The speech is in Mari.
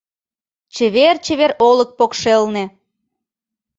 Чевер-чевер олык покшелне